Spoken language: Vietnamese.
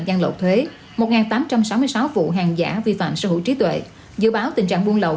gian lộ thuế một tám trăm sáu mươi sáu vụ hàng giả vi phạm sở hữu trí tuệ dự báo tình trạng buôn lậu